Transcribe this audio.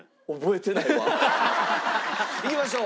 いきましょう。